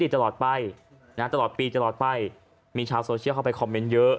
ตลอดไปตลอดปีตลอดไปมีชาวโซเชียลเข้าไปคอมเมนต์เยอะ